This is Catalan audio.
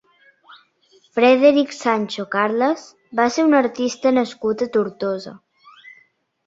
Frederic Sancho Carles va ser un artista nascut a Tortosa.